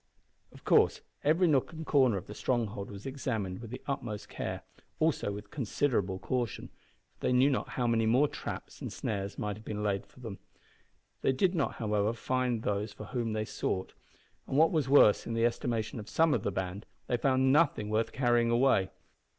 Of course every nook and corner of the stronghold was examined with the utmost care also with considerable caution, for they knew not how many more traps and snares might have been laid for them. They did not, however, find those for whom they sought, and, what was worse in the estimation of some of the band, they found nothing worth carrying away.